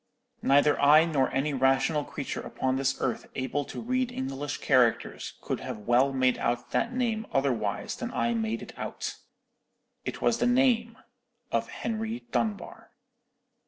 "Neither I nor any rational creature upon this earth able to read English characters could have well made out that name otherwise than I made it out. "It was the name of Henry Dunbar.